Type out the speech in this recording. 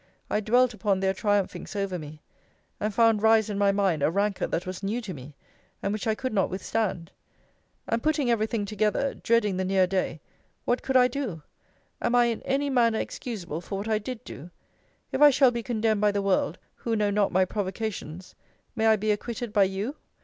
I dwelt upon their triumphings over me; and found rise in my mind a rancour that was new to me; and which I could not withstand. And putting every thing together, dreading the near day, what could I do? Am I in any manner excusable for what I did do? If I shall be condemned by the world, who know not my provocations, may I be acquitted by you?